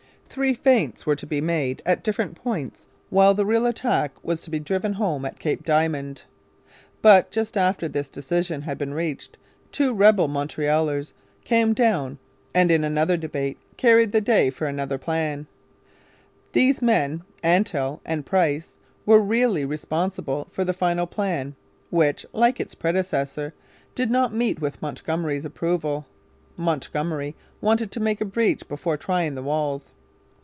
Three feints were to be made at different points while the real attack was to be driven home at Cape Diamond. But just after this decision had been reached two rebel Montrealers came down and, in another debate, carried the day for another plan. These men, Antell and Price, were really responsible for the final plan, which, like its predecessor, did not meet with Montgomery's approval. Montgomery wanted to make a breach before trying the walls.